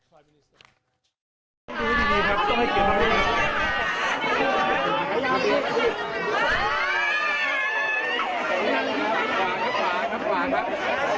นายกรัฐมนตรีคุณสื่อมวลชนนะฮะก็ได้เจอกับกลุ่มคนเสื้อแดงที่